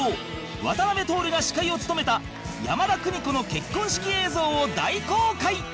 渡辺徹が司会を務めた山田邦子の結婚式映像を大公開